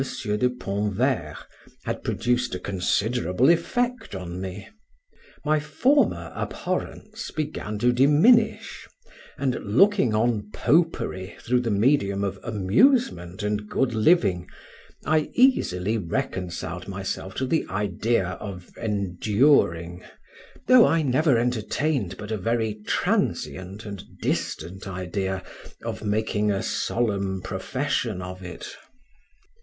de Pontverre had produced a considerable effect on me; my former abhorrence began to diminish, and looking on popery through the medium of amusement and good living, I easily reconciled myself to the idea of enduring, though I never entertained but a very transient and distant idea of making a solemn profession of it.